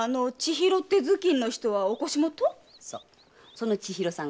その千尋さんがね